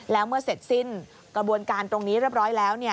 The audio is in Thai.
แล้วเมื่อเสร็จสิ้นกระบวนการตรงนี้เรียบร้อยแล้ว